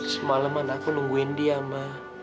semalam aku menunggu dia ma